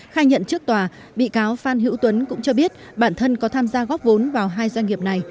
khai nhận trước tòa bị cáo phan hữu tuấn cũng cho biết bản thân có tham gia góp vốn vào hai doanh nghiệp này